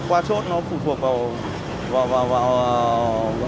qua chốt nó phụ thuộc vào